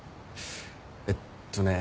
えっとね。